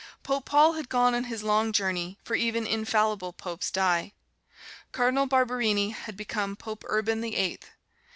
Pope Paul had gone on his long journey, for even infallible popes die. Cardinal Barberini had become Pope Urban the Eighth.